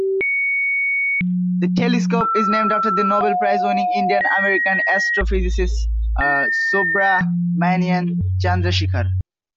The telescope is named after the Nobel Prize-winning Indian-American astrophysicist Subrahmanyan Chandrasekhar.